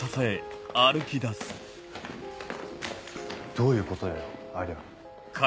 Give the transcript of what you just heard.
どういうことだよありゃ。